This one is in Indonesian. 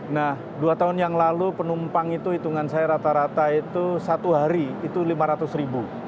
nah dua tahun yang lalu penumpang itu hitungan saya rata rata itu satu hari itu lima ratus ribu